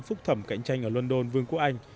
phúc thẩm cạnh tranh ở london vương quốc anh